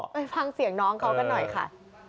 ไปฟังเสียงน้องเขากันหน่อยค่ะ